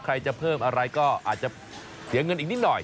ใครจะเพิ่มอะไรก็อาจจะเสียเงินอีกนิดหน่อย